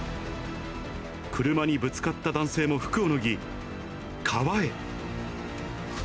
車にぶつかった男性も服を脱ぎ、川へ。